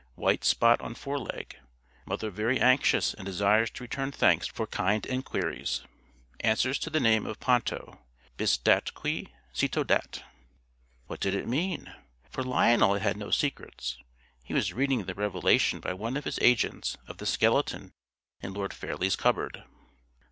White spot on foreleg. Mother very anxious and desires to return thanks for kind enquiries. Answers to the name of Ponto. Bis dat qui cito dat." What did it mean? For Lionel it had no secrets. He was reading the revelation by one of his agents of the skeleton in Lord Fairlie's cupboard!